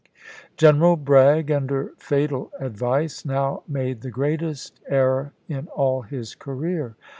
General Bragg, under fatal advice, now made the greatest error in all his career.